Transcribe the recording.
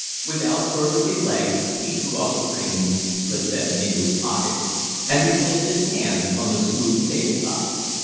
Without further delay he drew off the rings, slipped them into his pocket, and replaced his hands on the smooth table top.